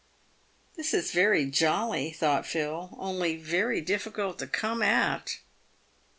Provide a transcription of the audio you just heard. " This is very jolly," thought Phil, " only very difficult to come at."